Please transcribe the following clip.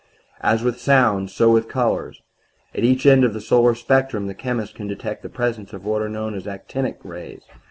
"As with sounds, so with colors. At each end of the solar spectrum the chemist can detect the presence of what are known as 'actinic' rays.